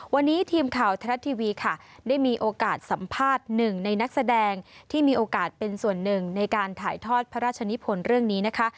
วันนี้ทีมข่าวทรัฐทีวีค่ะได้มีโอกาสสัมภาษณ์หนึ่งในนักแสดงที่มีโอกาสเป็นส่วนหนึ่งในการถ่ายทอดพระราชนิพลเรื่องนี้นะคะ